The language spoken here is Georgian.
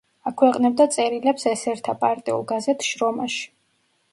აქვეყნებდა წერილებს ესერთა პარტიულ გაზეთ „შრომაში“.